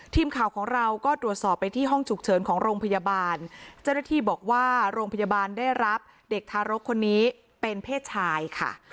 ทีมข่าวของเราก็ตรวจสอบไปที่ห้องฉุกเฉินของโรงพยาบาลเจ้าหน้าที่บอกว่าโรงพยาบาลได้รับเด็กทารกคนนี้เป็นเพศชายค่ะ